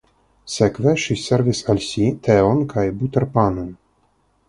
Sekve ŝi servis al si teon kaj buterpanon.